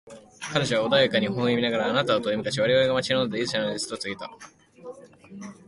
彼女は穏やかに微笑みながら、「あなたは遠い昔、我々が待ち望んでいた勇者なのです」と告げた。